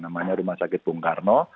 namanya rumah sakit bung karno